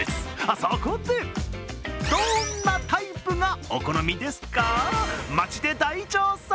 そこでどんなタイプがお好みですか、街で大調査。